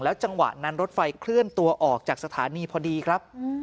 จังหวะนั้นรถไฟเคลื่อนตัวออกจากสถานีพอดีครับ